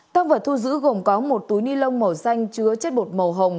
tăng vật thu giữ gồm có một túi ni lông màu xanh chứa chất bột màu hồng